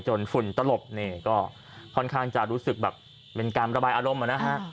จนฝุ่นตลบก็ค่อนข้างจะรู้สึกเป็นการระบายอารมณ์